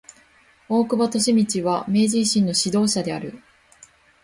大久保利通は明治維新の指導者である。